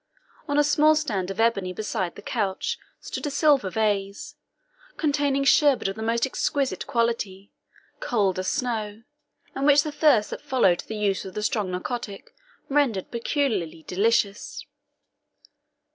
On a small stand of ebony beside the couch stood a silver vase, containing sherbet of the most exquisite quality, cold as snow, and which the thirst that followed the use of the strong narcotic rendered peculiarly delicious.